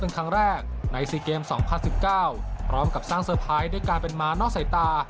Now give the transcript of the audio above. พร้อมกับสร้างเซอร์ไพรส์ด้วยการเป็นหมานอกใส่ตา